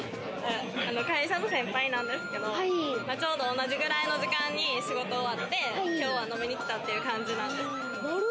会社の先輩なんですけど、ちょうど同じくらいの時間に仕事終わって、きょうは飲みに来たという感じなんです。